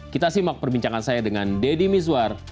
kita simak perbincangan saya dengan dedy miswar